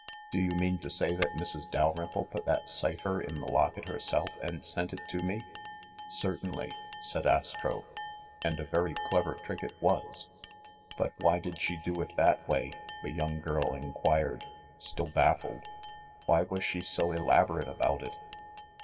Do you mean to say that Mrs. Dalrymple put that cipher in the locket herself and sent it to me ?" "Certainly," said Astro, "and a very clever trick it was." "But why did she do it that way?" the young girl inquired, still baffled. "Why was she so elaborate about it?"